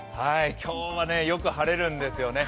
今日はよく晴れるんですよね。